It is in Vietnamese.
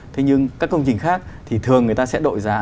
thế nhưng các công trình khác thì thường người ta sẽ đổi giá